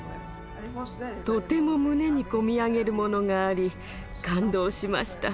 とても胸に込み上げるものがあり感動しました。